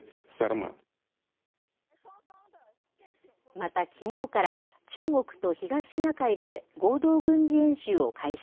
また、きのうから中国と東シナ海で合同軍事演習を開始。